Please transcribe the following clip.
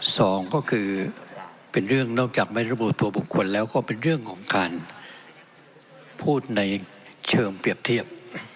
สองก็คือเป็นเรื่องนอกจากไม่ระบุตัวบุคคลแล้วก็เป็นเรื่องของการพูดในเชิงเปรียบเทียบ